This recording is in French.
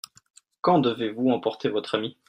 Quand devez-vous emporter votre ami ?